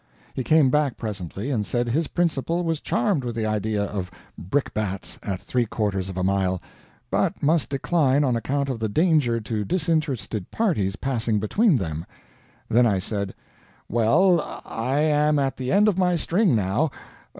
He came back presently and said his principal was charmed with the idea of brickbats at three quarters of a mile, but must decline on account of the danger to disinterested parties passing between them. Then I said: "Well, I am at the end of my string, now.